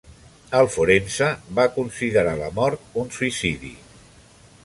El forense va ser considerar la mort un suïcidi.